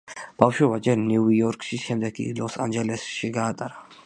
ბავშვობა ჯერ ნიუ-იორკში, შემდეგ კი ლოს-ანჯელესში გაატარა.